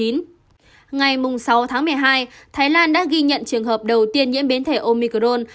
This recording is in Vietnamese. ngày sáu tháng một mươi hai thái lan đã ghi nhận trường hợp đầu tiên nhiễm biến thể omicron